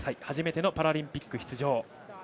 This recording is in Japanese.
初めてのパラリンピック出場。